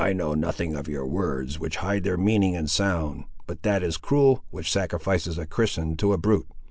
"I know nothing of your words, which hide their meaning in sound; but that is cruel which sacrifices a Christian to a brute.